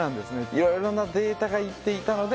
いろいろなデータがいっていたので。